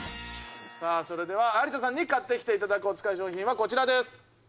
さあそれでは有田さんに買ってきていただくおつかい商品はこちらです。